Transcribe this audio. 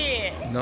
何？